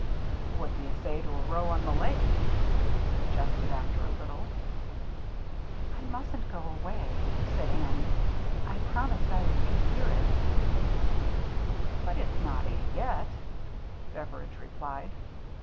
" What do you say to a row on the Lake ?" he suggested, after a little. 82 THE MERRT ANNE it I mustn't go away," said Annie. " I promised I would be here at eight." " But it's not eight yet," Beveridge replied.